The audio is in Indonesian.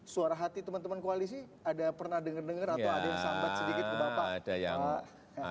suara hati teman teman koalisi ada pernah dengar dengar atau ada yang sambat sedikit ke bapak